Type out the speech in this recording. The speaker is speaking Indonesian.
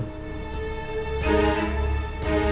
dia diikutin sama mobil